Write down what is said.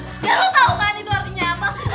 dan lo tau kan itu artinya apa